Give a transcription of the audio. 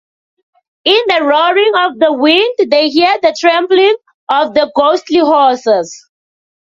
In the roaring of the wind they hear the trampling of the ghostly horses.